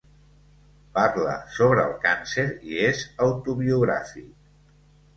Parla sobre el càncer i és autobiogràfic.